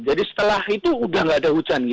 jadi setelah itu sudah tidak ada hujan